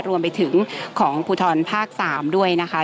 รวมไปถึงของภูทรภาค๓ด้วยนะคะ